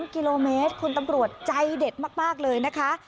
กิโลเมตรคุณตำรวจใจเด็ดมากเลยนะคะ